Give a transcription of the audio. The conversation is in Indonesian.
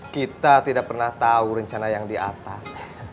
kita tidak pernah tahu rencana yang di atas